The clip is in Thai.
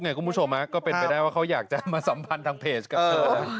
คุณผู้ชมก็เป็นไปได้ว่าเขาอยากจะมาสัมพันธ์ทางเพจกับเธอนะ